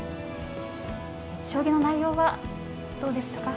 将棋の内容はどうでしたか。